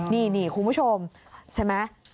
นี่คุณผู้ชมใช่ไหม